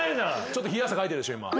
ちょっと冷や汗かいてるでしょ。